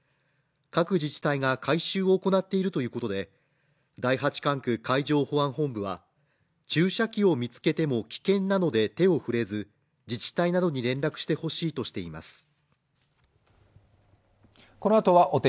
各自治体が回収を行っているということで、第八管区海上保安本部は注射器を見つけても危険なので手を触れず、自治体などに連絡してほしいとしています。